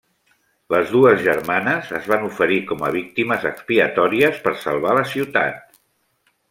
Les dues germanes es van oferir com a víctimes expiatòries per salvar la ciutat.